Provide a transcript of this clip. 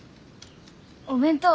お弁当。